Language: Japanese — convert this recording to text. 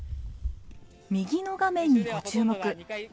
右の画面にご注目。